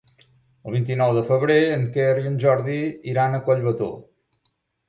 El vint-i-nou de febrer en Quer i en Jordi iran a Collbató.